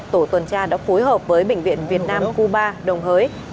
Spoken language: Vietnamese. tổ tuần tra đã phối hợp với bệnh viện việt nam cuba đồng hới